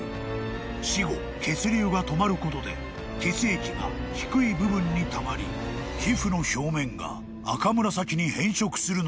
［死後血流が止まることで血液が低い部分にたまり皮膚の表面が赤紫に変色するのだが］